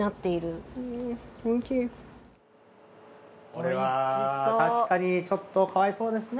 これは確かにちょっとかわいそうですね